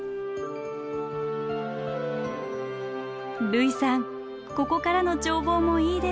類さんここからの眺望もいいですけれど